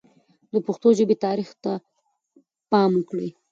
د پښتو ژبې تاریخ ته پام وکړئ.